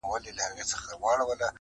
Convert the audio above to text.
كه غمازان كه رقيبان وي خو چي ته يـې پكې.